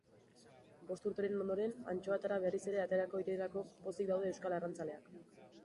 Bost urteren ondoren, antxoatara berriz ere aterako direlako pozik daude euskal arrantzaleak.